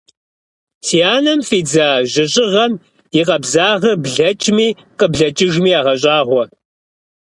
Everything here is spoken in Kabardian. Си анэм фӏидзэ жьыщӏыгъэм и къабзагъыр блэкӏми къыблэкӏыжми ягъэщӏагъуэ!